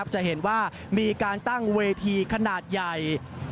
จะเห็นว่ามีการตั้งเวทีขนาดใหญ่